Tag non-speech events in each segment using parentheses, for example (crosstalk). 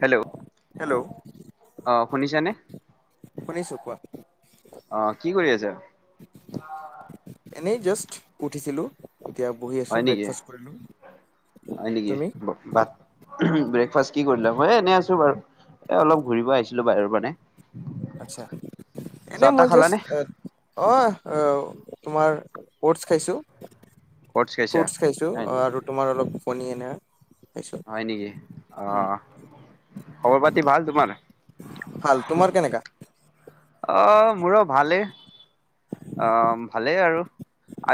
Hello hello. উ (unintelligible) অ' শুনিছানে? শুনিছো, কোৱা। অ কি কৰি আছা এনেই জাষ্ট উঠিছিলো। এতিয়া বহি আছোঁ, হয় নেকি ব্ৰেকফাষ্ট কৰি, হয় নেকি তুমি? ভাত ব্ৰেকফাষ্ট কি কৰিলা? এনেই আছো বাৰু এ অলপ ঘূৰিব আহিছিলো বাহিৰৰ মানে। আচ্ছা, এনে চাহ তাহ মই জাষ্ট, খালানে আহ'আহ তোমাৰ ফ্ৰুটচ খাইছোঁ। অটছ খাইছা ফ্ৰুটচ খাইছো হয় ।অ' আৰু তোমাৰ অলপ (inaudible) হয়, নেকি? উম, অ' খবৰ পাতি ভাল তোমাৰ? ভাল ।তোমাৰ কেনেকা? অ', মোৰো ভালেই অ ভালেই আৰু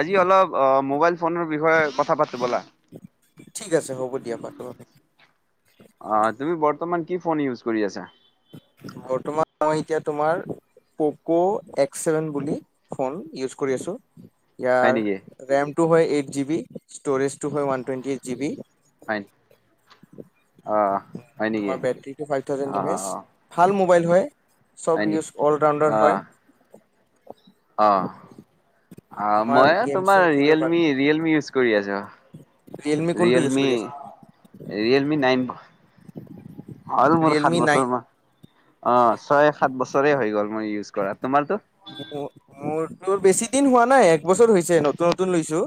আজি অলপ মোবাইল ফোনৰ বিষয়ে কথা পা ব'লা। ঠিক আছে হ'ব দিয়া, পাতো । অ' তুমি বৰ্তমান কি ফোন ইউজ কৰি আছা? বৰ্তমান মই এতিয়া তোমাৰ প'ক এক্স ছেভেন বুলি ফোন ইউজ কৰি আছো। হয় নেকি ইয়াৰ ৰেম তু হয় এইট জি বি, ষ্টৰেজ টু হয় one twenty eight G B. হয়। অ হয় নেকি মাৰ ব থ ভাল অ (unintelligible) মোবাইল হয়। হয় চব নি ইউজ অল ৰাউণ্ডাৰ হয়। (unintelligible) অহ। অ তোমাৰ মইয়ো গেম চেম তোমাৰ খেলিব পাৰা ৰিয়েলমি ৰিয়েলমি ইউজ কৰি আছো । কোনটো ইউজ ৰিয়েলমি কৰি আছা তুমি ৰিয়েলমি নাইন । (unintelligible) (inaudible) আৰু মোৰ সাত ৰিয়েলমি নাইন বছৰ মা, অ ছয়, সাত বছৰে হৈ গ'ল মই ইউজ কৰা । তোমাৰতো? মোৰতো বেছি দিন হোৱা নাই, এক বছৰ হৈছে নতুন নতুন লৈছো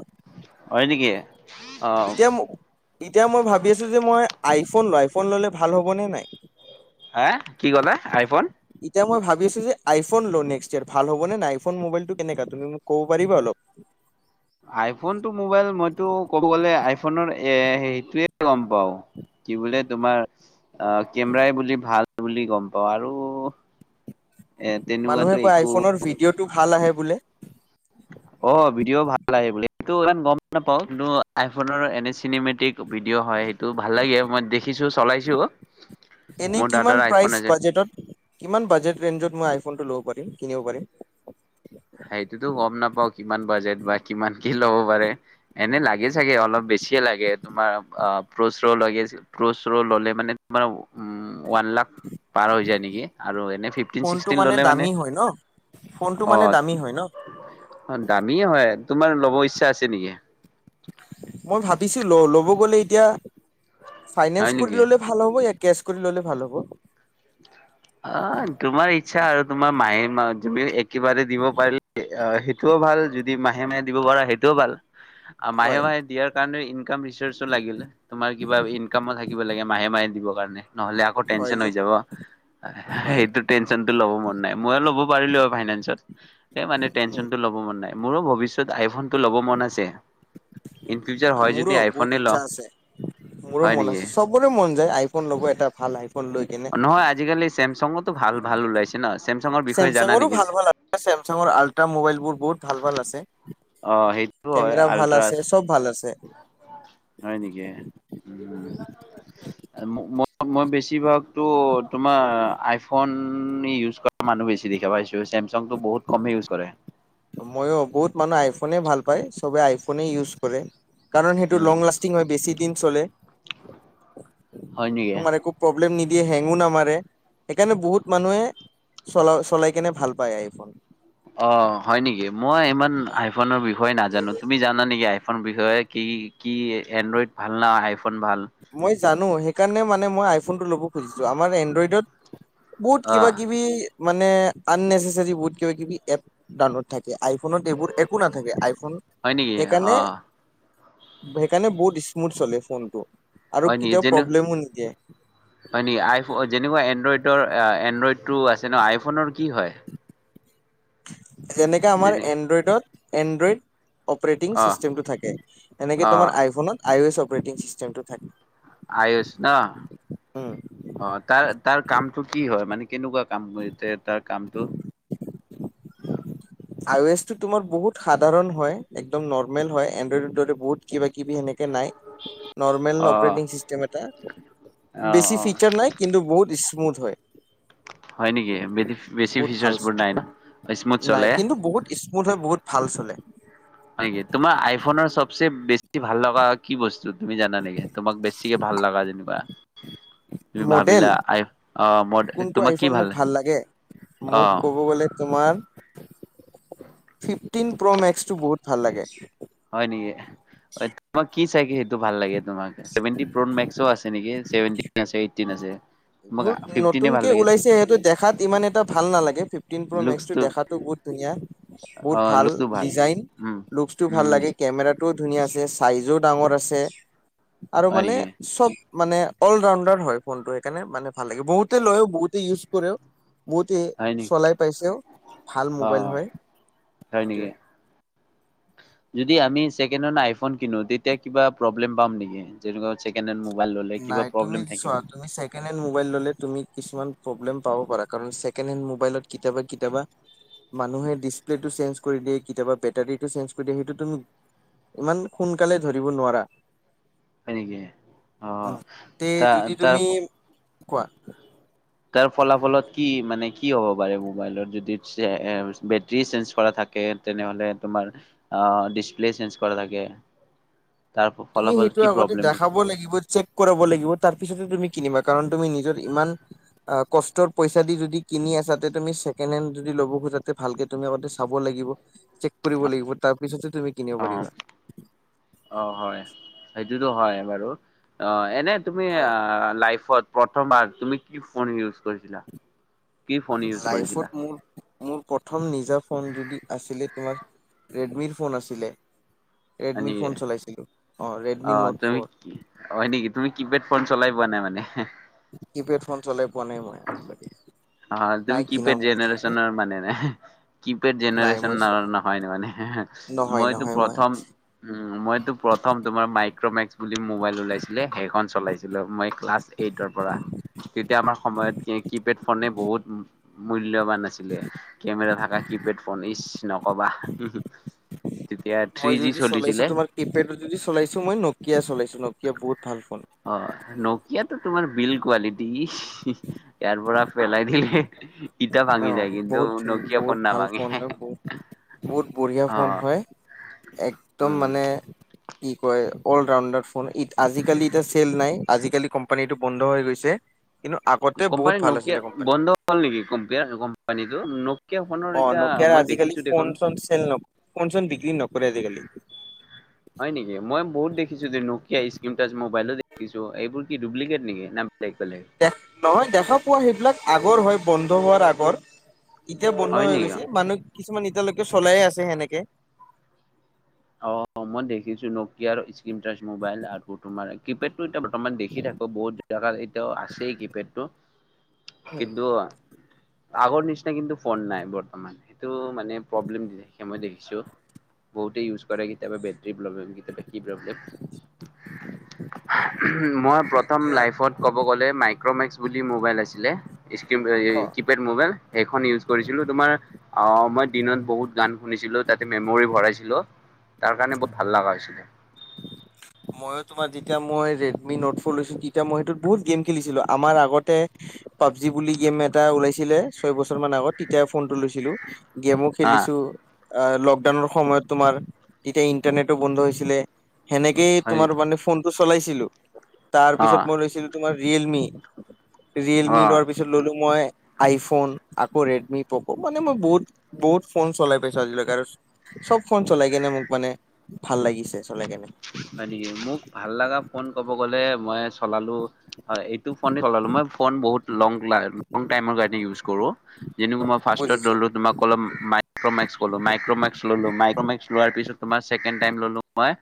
হয় নেকি? । অ', এতিয়া এতিয়া মই ভাবি আছো যে মই আইফোন ল আই, ফন ললে ভাল হব নে নাই? হা কি কলা আইফোন? এতিয়া মই ভাবিছো আইফোন লও নেক্স, ভাল হ'ব নে নাই? আইফোন মোবাইলটো কেনেকা তুমি মোক ক'ব পাৰিবা অলপ? আইফোন টো মোবাইল মইতো ক'ব গলে আইফনৰ এ সেইটোয়ে গম পাও, কি বোলে তোমাৰ (unintelligible) অ কেমেৰাই বুলি ভাল । বুলি গম পাওঁ । আৰু এ তেনেকুৱাতো মানুহে কয় একো আইফোনৰ ভিডিঅ'টো, ভাল আহে বোলে । অ ভিডিঅ' ভাল আহে বুলে, সেইটো গম নাপাও কিন্তু আইফোনৰ এনে চিনেমেটিক ভিডিঅ' হয় । সেইটো ভাল লাগে মই দেখিছো চলাইছো । এনে কিমান প্ৰাইচ বাজেটত, কিমান বাজেট ৰেনজত মই আইফন ফোনটো ল'ব পাৰিম, কিনিব পাৰিম? সেইটো তো গম নাপাওঁ। কিমান বাজেট বা কিমান, কি ল'ব পাৰে। এনে লাগে চাগে অলপ বেছিয়ে লাগে তোমাৰ প্ৰ চ ৰ লাগে, প্ৰচ ৰ ললে মানে তোমাৰ ওৱান লাখ (unintelligible) পাৰ হৈ যায় নেকি । আৰু এনে ফিফটিন ফোনটো চিক্সটিন ললে মানে দামী হয় ন ফোনটো অ মানে । দামী হয় ন অ দামীয়ে হয় । তোমাৰ ল'ব ইচ্ছা আছে নেকি? মই ভাবিছো ল ল'ব গ'লে এতিয়া, হয় ফাইনেন্স নেকি? কৰি ল'লে ভাল হব এক, কেচ কৰি ল'লে ভাল হ'ব? অ তোমাৰ ইচ্ছা আৰু তোমাৰ মাহে মাহত তুমি একেবাৰে দিব পাৰিলে সেইটোও ভাল, যদি মাহে মাহে দিব পাৰা সেইটোও ভাল। (unintelligible) মাহে হয় মাহে দিয়াৰ কাৰণে ইনকাম ৰিচৰ্চো লাগিল । তোমাৰ কিবা ইনকামো থাকিব লাগে মাহে মাহে দিবৰ কাৰণে। (unintelligible) নহলে আকৌ হয় টেনচন হৈ য যাব । হয় সেইটো টেনশচনতটো ল'ব মন নাই মই ল'ব পাৰিলো হয় ফাইনেন্সত এই মানে উম, টেনছন ল'ব মন নাই। মোৰো ভৱিষ্যয়ত আইফোন টো লব মন আছে। (unintelligible) হয় যদি মোৰো বহুত আইফোনে ইচ্ছা ল'ম আছে মোৰো হয় মন নেকি আছে চবৰে মন যাই আইফোন ল'ব এটা ভাল আইফোন লৈ কেনে নহয় আজি কালি ছেম চগটো ভাল ভাল ওলাইছে না চছেমচাঙৰো ভাল ভাল আছে চেমচাঙৰ আল্ট্ৰা মোবাইলবোৰ বহুত ভাল ভাল আছে অ সেইটো হয় কেমেৰা ভাল আল্ট্ৰাছ আছে চব ভাল আছে। হয় নেকি উম মই মই বেছিভাগতো তোমাৰ আইফোন ইউজ কৰা মানুহ বেছি দেখা পাইছো চছেমচাংটো বহুত কমে ইউজ কৰে। ফোনে ভাল পায় সব আইফোনে ইউজ কৰে। কাৰণ সেইটো উম লং লাষ্টিং হয় বেছি দিন চলে হয় নেকি? তোমাৰ একো প্ৰব্লেম নি দিয়ে হেংগো নামাৰে সেইকাৰণে বহুত মানুহে চলা চলাই কেনে ভাল পায় আইফোন অ হয় নেকি মই ইমান আইফোনৰ বিষয়ে নাজানো তুমি জানা নেকি আই ফোন বিষয় কি কি এন্দ্ৰয় ভাল না আইফ মই জানো সেইকাৰণে মানে মই আইফ ফোনটো ল'ব খুজিছো আমাৰ এড্ৰইডত বুট অ কিবা কিবি মান আন্নেছেৰি বহুত কিবা কিবি এপ ডাউনলোড থাকে। আইফোনত এইবোৰ একো নাথাকে আইফোন হয় নেকি অ সেইকাৰণে সেইকাৰণে বহুত স্মুথ চলে ফোনটো আৰু হয় নেকি কেতিয়াও যেনে প্ৰব্লেমো নিদিয়ে। (inaudible) হয় নি আইফ যেনেকুৱা এনড্ৰইডৰ এনড্ৰইডটো আছে ন আইফোনৰ কি হয়? যেনেকা আমাৰ যেনে এনড্ৰইডত এণ্ড্ৰইড অপ্ৰেথিগ অ ছিষ্টেমটো থাকে হেনেকে অ তোমাৰ আইফুনত আইৱেছ অপ অপটিং চিষ্টেমটো থাকে আয়ুস ন উম অ তাৰ তাৰ কামটো কি হয় মানে কেনেকোৱা কাম কৰিছে তাক কামটো আই এছ টো তোমাৰ বহুত সাধাৰণ হয় একদম নৰ্মেল হয় এড্ৰইডৰ দৰে বহুত কিবা কিবি এনেকে নাই নৰ্মেল অ অপেনিং চিষ্টেম এটা অ বেছি অ ফিচাৰ্জ নাই কিন্তু বহুত স্পী স্মুথ হয় হয় নেকি বেছি বহুত ভাল ফিচাৰ্চ বোৰ চলে নাই ন স্মুথ নাই চলে কিন্তু বহুত ইস্মুথ হয় বহুত ভাল চলে হয় নেকি তোমাৰ আইফোনৰ চবচে বেছি ভাল লগা কি বস্তু তুমি জানা নেকি তোমাক বেছিকে ভাল লগা যেনিবা তুমি মডেল ভাবিলা আই অ মোৰ কোনটো তোমাক কি আইফোন মোক ভাল লাগে অ মোক ক'ব গলে তোমাৰ ফিফটিন প্ৰ মেক্স টো মেক্সটো বহুত ভাল লাগে হয় নেকি তোমাক কি চাই কি সেইটো ভাল লাগে তোমাকে চেভেনটিন প্ৰ মেক্সো আছে নেকি চেভেনটিন আছে এইটটিন আছে তোমাক বহু ফিফটিনে ভাল নতুনকে লাগে ওলাইছে সিহটো দেখাত ইমান এটা ভাল নালাগে ফিফটিন প্ৰ মেক্সটো লুকচটো দেখাতো ধুনীয়া বহুত অ', ভাল লুকটো ডিজাইন উম, লুকচটোও ভাল উম, লাগে কেমেৰাত টো ধুনীয়া আছে চাইজো ডাঙৰ আছে আৰু হয় মানে নেকি? চব মানে অল ৰাণ্ডাৰ হয় ফোনটো সেইকাৰণে মানে ভাল লাগে বহুতে লয়ও বহুতে ইউজ কৰেও বহুতে হয় নেকি? চলাই পাইছেও ভাল মোবাইল অ', হয় হয় নেকি? সেটোৱে যদি আমি ছেকেণ্ড হেণ্ড আইফোন কিনো তেতিয়া কিবা প্ৰব্লেম পাম নেকি যেনেকোৱা ছেকেণ্ড হেণ্ড ম'বাইল নাই তুমি চোৱা তুমি ছেকেণ্ড হেণ্ড মোবাইল ললে তুমি কিছুমান প্ৰব্লেম পাব পাৰা কাৰণ ছেকেণ্ড হেণ্ড ম'বাইলত কেতিয়াবা কেতিয়াবা মানুহে ডিচপ্লেটো চেঞ্জ কৰি দিয়ে কেতিয়াবা বেটাৰিটো চেঞ্জ কৰি দিয়ে সেইটো ইমান সোনকালে ধৰিব নোৱাৰা হয় নেকি অ তে ত যদি তাৰ তুমি কোৱা তাৰ ফলাফলত কি মানে কি হ'ব পাৰে মবাইলত বেটাৰি চেঞ্জ কৰা থাকে তেনেহলে তোমাৰ ডিচপ্লে চেঞ্জ কৰা থাকে তাৰ তুমি ফলাফল সেইটো কি আগতে প্ৰব্লেম দেখাব লাগিব চেক কৰাব লাগিব তাৰপিছতহে তুমি কিনিবা কাৰণ তুমি নিজৰ ইমান কষ্টৰ পইচা দি যদি কিনি আছা তাতে তুমি ছেকেণ্ড হেণ্ড যদি ল'ব খোজা যাতে ভালকে তুমি আগতে চাব লাগিব চেক কৰিব লাগিব তাৰপিছতহে অ অ হয় সেই সেইটোতো হয় বাৰু অ এনে তুমি হয় লাইফত প্ৰথমবাৰ তুমি কি ফোন ইউজ কৰিছিলা কি ফোন ইউজ লাইফত কৰিছিলা মোৰ মোৰ প্ৰথম নিজা ফোন যদি আছিলে তোমাৰ ৰেডমিৰ ফোন আছিলে । হয় নেকি অ নোট তুমি ফ'ৰ কি হয় নেকি তুমি কিপেড। ফোন চলাই পোৱা নাই মানে । কিপেড ফোন চলাই পোৱা নাই মই আজিলৈকে । হয় তুমি কিপড জেনে্যনৰ মানে ন কিপেড নাই মই জেনে্যনৰ চলা নহয় মানে নহয় মইতো নহয় মই প্ৰথম উ মইতো প্ৰথম তোমাৰ মাই । ক্ৰমে্চ। বুলি মোবাইল ওলাইছিলে সেইখন চলাইছিলো। মই ক্লাছ এইটৰ পৰা তেতিয়া আমাৰ সময়ত কি কি পেড । ফোনে বহুত মূল্য । মূল্যবান আছিলে কেমেৰা থাকা কিপেড ফোন ইচ নকবা উম তেতিয়া থ্ৰী মই জি যদি চলাইছো চলিছিলে। তোমাৰ কিয় বুত । অ নকিয়াতটো তোমাৰ । বিল্ কোৱালিটি ইয়াৰ পৰা পেলাই দিলে । অঁ বহুত ধ বহুত ভাল নাভাঙে। ফোন হয় বহুত বঢ়িয়া ফোন অ হয় একদম উম, মানে । কি কয় অল ৰাউণ্ডাৰ ফোন আজিকালি এতিয়া চেল নাই আজিকালি কোম্পানীটো বন্ধ হৈ গৈছে। কিন্তু আগতে বহুত কোম্পানী ভাল নকিয়া আছিলে কোম্পানী বন্ধ হল নেকি কম্পিয়া । কোম্পানীটো ন। অ নকিয়া আজিকালি ফোন চোন চেল ফোন চোন বিক্ৰী নকৰে আজিকালি। হয় নেকি মই বহুত দেখিছো নকিয়া স্ক্ৰীন টাৰ্চ মবাইলো দেখিছো এইবোৰ কি ডুপ্লিকট নেকি? ন দে নহয় দেখা পোৱা সেইবিলাক আ । আগৰ হৈ বন্ধ হোৱাৰ আগৰ। এতিয়া বন্ধ হয় হৈ নেকি গৈছে মানুহ । কিছুমান এতিয়ালৈকে চলাইে আছে সেনেকে । অ মই দেখিছো নকিয়াৰ স্ক্ৰীন টাৰ্চ মোবাইল আৰু তোমাৰ কিপেড । এতিয়া বৰ্তমান দেখি থাকো বহুত এতিয়াও আছেই কিপেডতটো কিন্তু । আগৰ নিচিনা কিন্তু ফোন নাই বৰ্তমান । সেইটো মানে প্ৰব্লেম দি থাকে । মই দেখিছোঁ বহুতেই ইউজ । কৰে কেতয়াবা বে । মই প্ৰথম এতিয়া লাইফত কব গলে মাইক্ৰমেক্স বুলি মোবাইল আছিলে । স্ক্ৰীন হে অ কিপেড মোবাইল সেইখন ইউজ কৰিছিলো তোমাৰ অ মই দিনত বহুত গান শুনিছিলো তাতে মেমৰি ভৰাইছিল । হেল্ল'। তাৰ কাৰণে বহুত ভাল লগা হৈছিলে। ময়ো তোমাৰ যেতিয়া মই ৰেডমি নোট ফ' লৈছিলো তেতিয়া মই সেইটোত বহুত গেম খেলিছিলোঁ আমাৰ আগতে পাবজি বুলি গেম এটা ওলাইছিলে ছয় বছৰ মান আগত তেতিয়া ফোনটো লৈছিলোঁ। গেমো আহ খেলিছো অ লকডাউনৰ সময়ত তোমাৰ তেতিয়া ইন্টাৰনেটো বন্ধ হৈছিলে সেনেকেই (unintelligible) হয় তোমাৰ নেকি? মানে ফোন টো চলাইছিলোঁ তাৰ পিছত অ' মই লৈছিলোঁ তোমাৰ ৰিয়েলমি ৰিয়েলমি অ' লোৱাৰ পিছত ললো মই আইফোন আকৌ ৰেডমি প'ক মানে মই বহুত বহুত ফোন চলাই পাইছো আজিলৈকে আৰু চব ফোন চলাই কেনে মোক মানে ভাল লাগিছে চলাই কেনে (unintelligible) হয় নেকি মোক ভাল লগা ফোন কব গলে মই চলালো হয় এইটো ফোনেই ফোন বহুত লেটাবোৰ কাৰনে ইউজ কৰোঁ যেনেক মই ফাৰ্ষ্টত বুজিছো ল'লো তোমাক কলো মাইক্ৰমেক্স কলো মাইক্ৰমে্ ললো মাইক্ৰমে্স (unintelligible) লোৱাৰ পিছত তোমাৰ ছেকেণ্ড টাইম ললো মই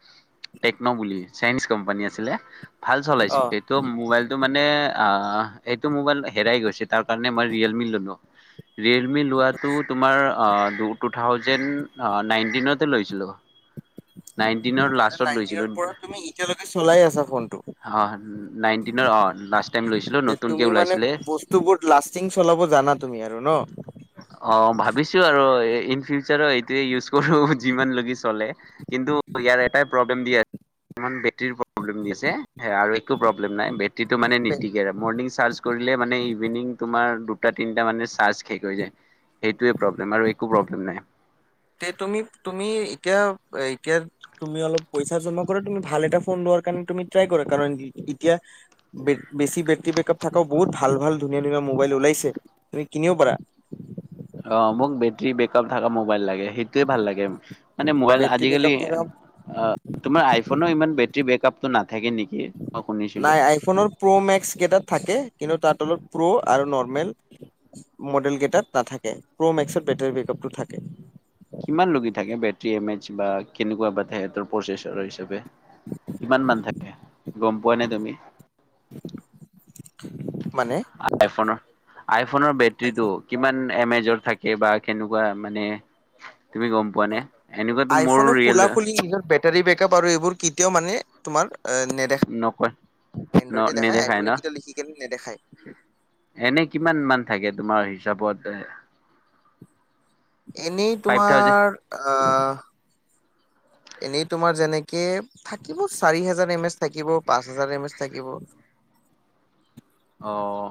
টেকন' বুলি চাইনিচ কোম্পানী আছিলে (unintelligible) ভাল চলাইছে অ সেইটো মোবাইলটো মানে আহ এইটো মোবাইল হেৰাই গৈছে তাৰ কাৰণে মই ৰিয়েলমি ললোঁ ৰিয়েলমি লোৱাটো বুজিছো তোমাৰ টু থাউজেণ্ড নাইনটিনতে লৈছিলোঁ (unintelligible) নাইনটিনৰ লাষ্ট নাইনটিনৰপৰা তুমি এতিয়ালৈকে চলাই আছা ফোনটো অ নাইনটিনৰ অ লাষ্ট টাইম লৈছিলো নতুনকে তুমি মানে ওলাইছিলে। বস্তুবোৰ লাচতিং চলাব জানা তুমি আৰু ন (unintelligible) অ ভাবিছো আৰু ইন ফিউচাৰ এইটোৱে ইউজ কৰো যিমান লৈকে চলে কিন্তু ইয়াৰ এটাই প্ৰব্লেম দি আছে বেটেৰীৰ প্ৰব্লেম দি আছে সে আৰু একো প্ৰব্লেম নাই বে টেৰীটো মানে নিতিকে মৰ্ণিং চাৰ্জ কৰিলে মানে ইভিনিং তোমাৰ দুটা তিনিটা মানে চাৰ্জ শেষ হৈ যায় সেইটোোৱে প্ৰব্লেম আৰু একো প্ৰব্লেম নাই তে তুমি তুমি এতিয়া এতিয়া তুমি অলপ পইচা জমা কৰা তুমি ভাল এটা ফোন লোৱাৰ কাৰ তুমি ট্ৰাই কৰা কাৰণ এতিয়া বেছি বেটৰী বেকআপ থকা বহুত ভাল ভাল ধুনীয়া ধুনীয়া মোবাইল ওলাইছে তুমি কিনিব পাৰা অ মোক বেটাৰী বেকআপ থকা মোবাইল লাগে সেইটোয়ে ভাল লাগে মানে মোবাইল বেটৰী আজিকালি বেকআপ থকা অ তোমাৰ আইফোন ইমান বে বেকআপ না নাই আইফোনৰ প্ৰ' মেক্স কেইটাত থাকে কিন্তু তাৰ তলত প্ৰ' আৰু নৰ্মেল মডেল কেইটাত নাথাকে প্ৰ মেক্সৰ বেটাৰী বেকআপটো থাকে (unintelligible) কিমান লি থাকে বেটৰী এম এইচ বা কেনেকুৱা বােচ হিচাপে কিমান থাকে গম পোৱা নাই তুমি (unintelligible) (inaudible) আইফন আই ফোনৰ বেটৰীটো আইফোন কিমান এম আনে য'ত থাকে বা কেনেকুৱা মানে তুমি গম পোৱানে আইফোনে খুলা খুলি নিজৰ বে (unintelligible) বেটোৰী বেকআপ আৰু এইবোৰ কেতিয়াও মানে তোমাৰ নকয় নেদেখা ন এড্ৰইডে দেখা নেদেখায় আইফোনে ন? যেতিয়া লিখি কেনে? নেদেখায় এনে কিমান মান থাকে তোমাৰ আছ পতে (unintelligible) এনেই তোমাৰ আ এনেই তোমাৰ যেনেকে থাকিব চাৰি হাজাৰ এম এছ থাকিব পাঁচ হাজাৰ এম এছ থাকিব অঁ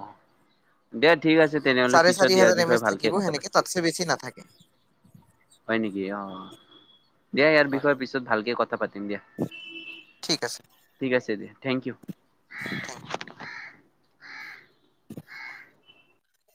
দিয়া ঠিক আছে তেনেহলে চাৰে পিছত চাৰি দিয়াৰ হাজাৰ এম বিষয়ে এচ ভালকে থাকিব কথা সেনেকে পাতি তাতছে বেছি নাথাকে হয় নেকি অ দিয়া ইয়াৰ হয় বিষয়ে পিছত ভালকে কথা পাতিম দিয়া ঠিক আছে ঠিক আছে দিয়া। Thank you thank U